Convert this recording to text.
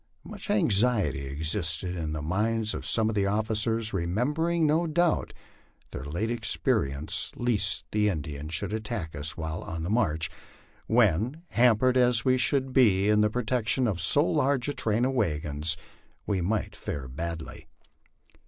Much anxiety existed in the minds of some of the officers, remem bering no doubt their late experience, lest the Indians should attack us while on the march, when, hampered as we should be in the protection of so large a train of wagons, we might fare badly.